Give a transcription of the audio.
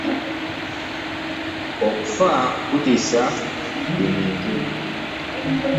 Okufa kutiisa buli muntu.